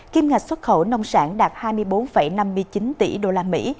kim ngạch xuất khẩu nông sản đạt hai mươi bốn năm mươi chín tỷ đô la mỹ